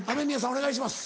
お願いします。